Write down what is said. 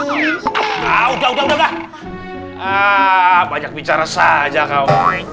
udah udah banyak bicara saja kau